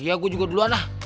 ya gue juga duluan lah